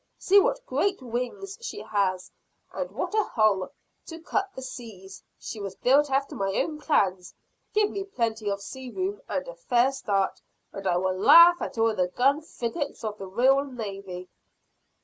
See what great wings she has! And what a hull, to cut the seas! She was built after my own plans. Give me plenty of sea room, and a fair start, and I will laugh at all the gun frigates of the royal navy."